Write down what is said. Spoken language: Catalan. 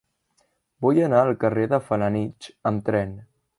Vull anar al carrer de Felanitx amb tren.